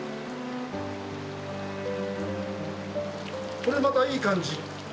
これまたいい感じ。